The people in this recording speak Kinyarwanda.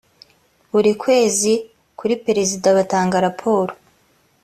buri kwezi kuri perezida batanga raporo